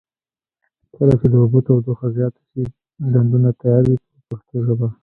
کله چې د اوبو تودوخه زیاته شي ډنډونه تیاروي په پښتو ژبه.